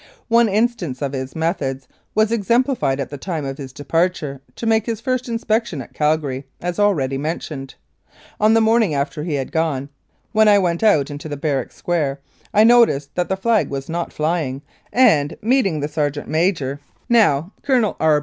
One instance of his methods was exemplified at the time of his departure to make his first inspection at Calgary, as already mentioned. On the morning after he had gone, when I went out into the barrack square, I noticed that the flag was not flying, and meeting the sergeant major (now Colonel R.